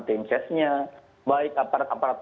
tim sesnya baik aparat aparat